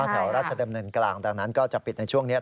แถวราชดำเนินกลางดังนั้นก็จะปิดในช่วงนี้